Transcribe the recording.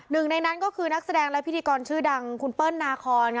หนึ่งในนั้นก็คือนักแสดงและพิธีกรชื่อดังคุณเปิ้ลนาคอน